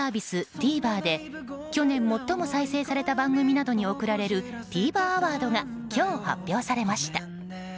ＴＶｅｒで去年最も再生された番組などに贈られるＴＶｅｒアワードが今日発表されました。